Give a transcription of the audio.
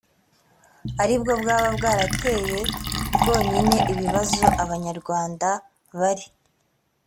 ari bwo bwaba bwarateye bwonyine ibibazo abanyarwanda bari